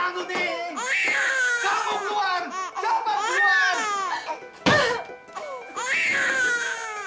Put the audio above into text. saya sudah berkali kali diam jangan bohongin saya